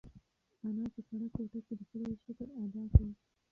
انا په سړه کوټه کې د خدای شکر ادا کړ.